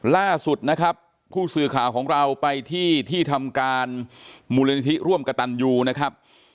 ล่าสุดนะครับผู้สื่อข่าวของเราไปที่ที่ทำการมูลนิธิร่วมกระตันยูนะครับ